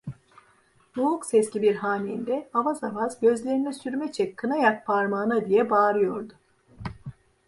Boğuk sesli bir hanende avaz avaz: "Gözlerine sürme çek, Kına yak parmağına!" diye bağınyordu.